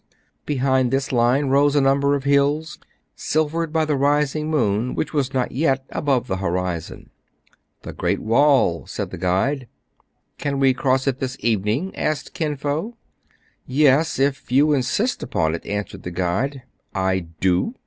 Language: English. Behind this line rose a number of hills, silvered by the rising moon, which was not yet above the horizon. "The Great Wall !" said the guide. " Can we cross it this evening }" asked Kin Fo. "Yes, if you insist upon it," answered the guide. "I do."